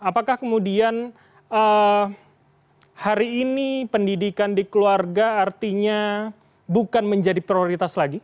apakah kemudian hari ini pendidikan di keluarga artinya bukan menjadi prioritas lagi